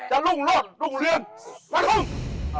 จะรุ่งโลจรุ่งเรือ